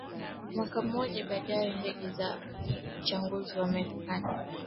Mwaka mmoja baadae ndege za uchunguzi za Marekani